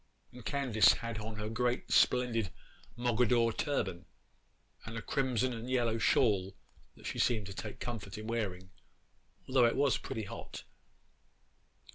And Candace had on her great splendid Mogadore turban, and a crimson and yellow shawl that she seemed to take comfort in wearing, although it was pretty hot.